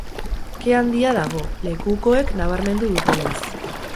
Ke handia dago, lekukoek nabarmendu dutenez.